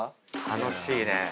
楽しいね。